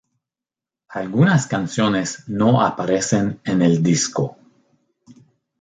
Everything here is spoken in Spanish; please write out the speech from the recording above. Algunas canciones no aparecen en el disco.